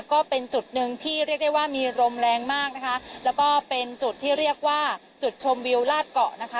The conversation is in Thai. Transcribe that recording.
ก็เป็นจุดหนึ่งที่เรียกได้ว่ามีลมแรงมากนะคะแล้วก็เป็นจุดที่เรียกว่าจุดชมวิวลาดเกาะนะคะ